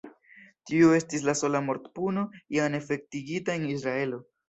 Tio estis la sola mortpuno iam efektivigita en Israelo.